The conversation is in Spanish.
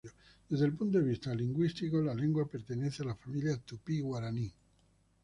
Desde el punto de vista lingüístico la lengua pertenece a la familia tupí-guaraní.